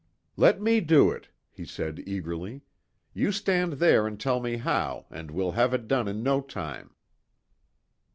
"Let me do it," he said, eagerly, "You stand there and tell me how, and we'll have it done in no time."